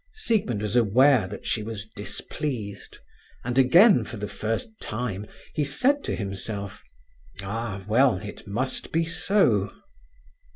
Siegmund was aware that she was displeased, and again, for the first time, he said to himself, "Ah, well, it must be so."